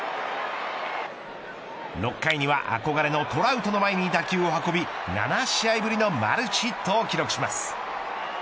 ６回には憧れのトラウトの前に打球を運び７試合ぶりのマルチヒットを記録します。